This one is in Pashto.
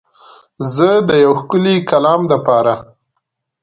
زه د یو ښکلی کلام دپاره